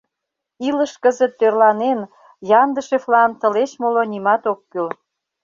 Илыш кызыт тӧрланен, Яндышевлан тылеч моло нимат ок кӱл.